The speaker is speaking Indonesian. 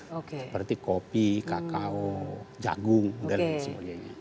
seperti kopi kakao jagung dan lain sebagainya